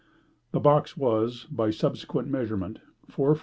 The box was, by subsequent measurement, 4ft.